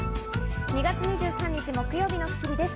２月２３日、木曜日の『スッキリ』です。